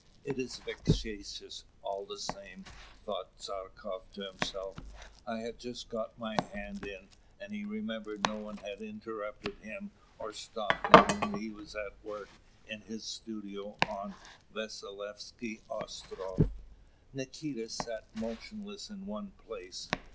"It is vexatious, all the same," thought Tchartkoff to himself: "I had just got my hand in;" and he remembered no one had interrupted him or stopped him when he was at work in his studio on Vasilievsky Ostroff. Nikita sat motionless in one place.